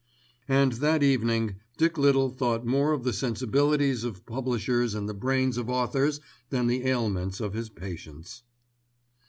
And that evening Dick Little thought more of the sensibilities of publishers and the brains of authors than the ailments of his patients.